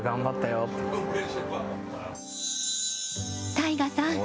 ＴＡＩＧＡさん